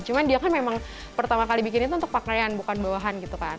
cuma dia kan memang pertama kali bikin itu untuk pakaian bukan bawahan gitu kan